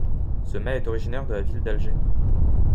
Ce mets est originaire de la ville d'Alger.